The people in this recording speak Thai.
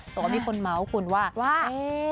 พวกเรามีคนม้าของคุณว่า